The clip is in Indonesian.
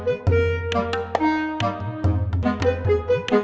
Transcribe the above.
saya gak ada